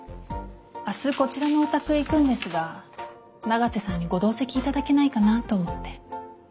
明日こちらのお宅へ行くんですが永瀬さんにご同席いただけないかなと思って。